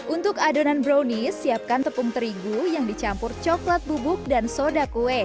untuk adonan brownies siapkan tepung terigu yang dicampur coklat bubuk dan soda kue